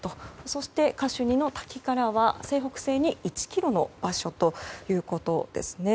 そして、カシュニの滝からは西北西に１ｋｍの場所ということです。